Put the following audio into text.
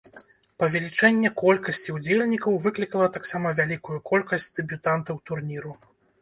Павелічэнне колькасці ўдзельнікаў выклікала таксама вялікую колькасць дэбютантаў турніру.